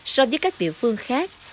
so với các địa phương khác